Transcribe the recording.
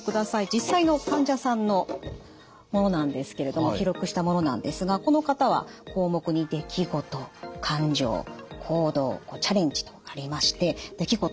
実際の患者さんのものなんですけれども記録したものなんですがこの方は項目に「出来事」「感情」「行動」「チャレンジ」とありまして「出来事」